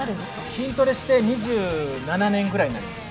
筋トレして２７年ぐらいになります。